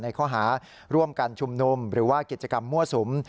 ข้อหาร่วมกันชุมนุมหรือว่ากิจกรรมมั่วสุม